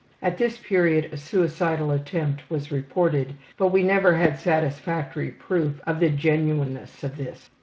At this period a suicidal attempt was reported, but we never had satisfactory proof of the genuineness of this.